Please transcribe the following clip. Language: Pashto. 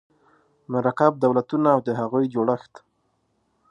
مرکب دولتونه او د هغوی جوړښت